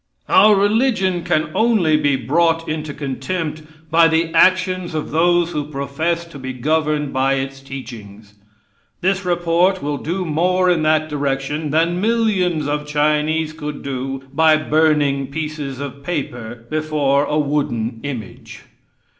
Our religion can only be brought into contempt by the actions of those who profess to be governed by its teachings. This report will do more in that direction than millions of Chinese could do by burning pieces of paper before a wooden image.